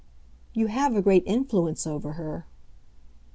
"You have a great influence over her."